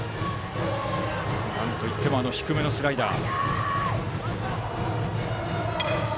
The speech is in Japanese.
なんといっても低めのスライダー。